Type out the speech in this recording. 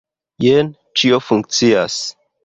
Jen, ĉio funkcias.